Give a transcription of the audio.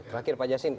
terakhir pak jasin